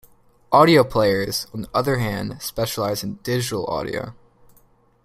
"Audio players", on the other hand, specialize in digital audio.